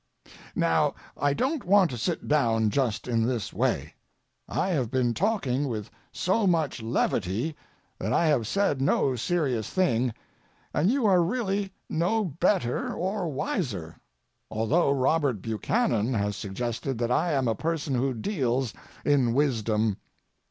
Now, I don't want to sit down just in this way. I have been talking with so much levity that I have said no serious thing, and you are really no better or wiser, although Robert Buchanan has suggested that I am a person who deals in wisdom.